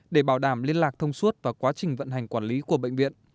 để bảo đảm liên lạc thông suốt và quá trình vận hành quản lý của bệnh viện